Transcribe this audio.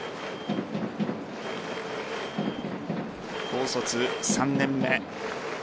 高卒３年目。